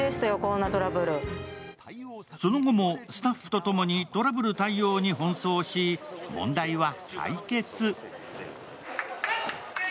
その後もスタッフとともにトラブル対応に奔走し、問題は解決。